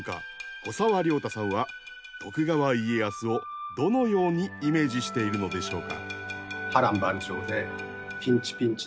古沢良太さんは徳川家康をどのようにイメージしているのでしょうか？